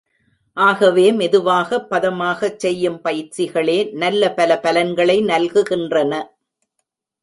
ஆகவே, மெதுவாக, பதமாகச் செய்யும் பயிற்சிகளே, நல்ல பல பலன்களை நல்குகின்றன.